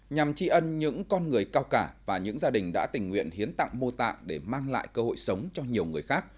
nhằm tri ân những con người cao cả và những gia đình đã tình nguyện hiến tặng mô tạng để mang lại cơ hội sống cho nhiều người khác